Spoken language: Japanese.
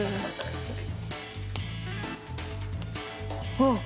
あっ！